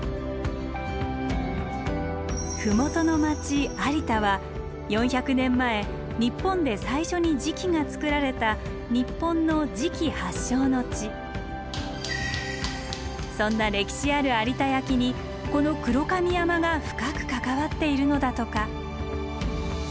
麓の町有田は４００年前日本で最初に磁器が作られたそんな歴史ある有田焼にこの黒髪山が深く関わっているのだとか。